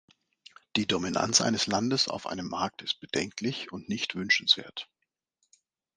Die Dominanz eines Landes auf einem Markt ist bedenklich und nicht wünschenswert.